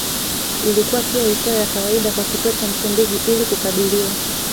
Ilikuwa pia isiyo ya kawaida kwa Kituo cha Msumbiji ili kukabiliwa